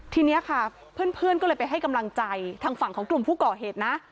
ทีนี้ค่ะเพื่อนก็เลยไปให้กำลังใจทางฝั่งของกลุ่มผู้ก่อเหตุนะ